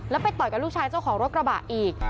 แล้วไปต่อยกับลูกชายเจ้าของรถกระบะอีก